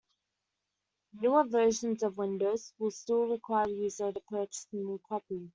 Newer versions of Windows will still require the user to purchase a new copy.